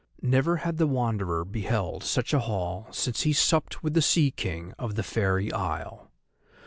Never had the Wanderer beheld such a hall since he supped with the Sea King of the fairy isle.